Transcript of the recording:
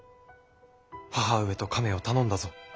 母上と亀を頼んだぞ。